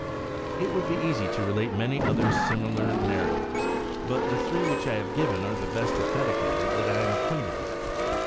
* It would be easy to relate many other similar nar ratives ; but the three which I have given are the best authenticated of any that I am acquainted with.